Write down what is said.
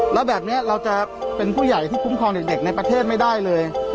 แล้วแบบนี้เราจะเป็นผู้ใหญ่ที่คุ้มครองเด็กในประเทศไม่ได้เลย